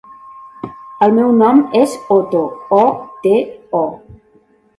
El meu nom és Oto: o, te, o.